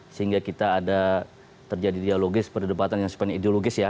sehingga kita ada terjadi dialogis perdebatan yang sepenuh ideologis ya